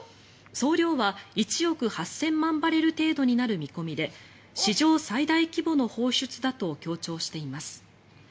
総量は１億８０００万バレル程度になる見込みで史上最大規模の放出だと強調しています。